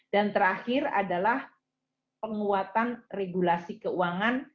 dan terakhir adalah penguatan regulasi keuangan